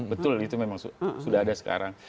betul itu memang sudah ada sekarang